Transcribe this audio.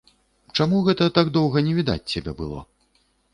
Чаму гэта так доўга не відаць цябе было?